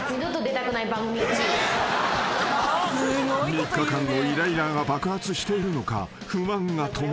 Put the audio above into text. ［３日間のいらいらが爆発しているのか］